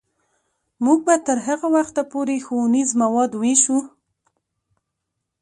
موږ به تر هغه وخته پورې ښوونیز مواد ویشو.